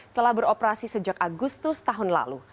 telah beroperasi sejak agustus tahun lalu